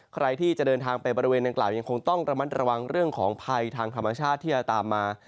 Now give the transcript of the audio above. ใครที่จะเดินทางไปบริเวณนางกล่าวยังคงต้องระมัดระวังเรื่องของภัยทางธรรมชาติที่จะตามมา